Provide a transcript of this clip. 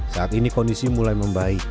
saat ini kondisi mulai membaik